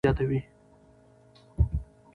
ادبي فعالیتونه د ټولني بیداري زیاتوي.